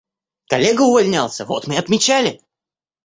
Коллега увольнялся, вот мы и отмечали.